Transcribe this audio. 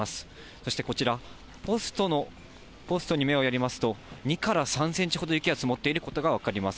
そしてこちら、ポストに目をやりますと、２から３センチほど雪が積もっていることが分かります。